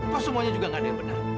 kau semuanya juga nggak ada yang benar